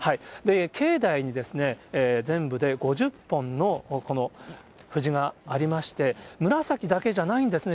境内に全部で５０本のこの藤がありまして、紫だけじゃないんですね。